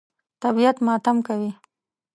طبیعت ماتم کوي.